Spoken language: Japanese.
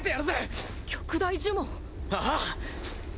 ああ。